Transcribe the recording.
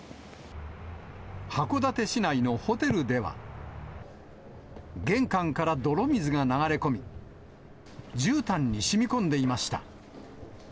函館市内のホテルでは、玄関から泥水が流れ込み、じゅうたんにしみこんでいました。